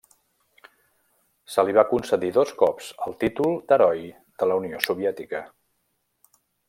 Se li va concedir dos cops el títol d'Heroi de la Unió Soviètica.